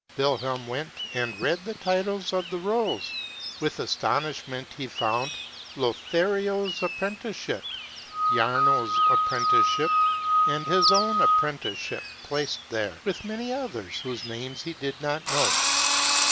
Wilhelm went, and read the titles of the rolls. With aston ishment he found, "Lothario's Apprenticeship," "Jarno's Apprenticeship," and his own Apprenticeship placed there, with many others whose names he did not know.